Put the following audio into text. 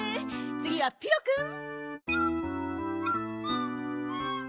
つぎはピロくん。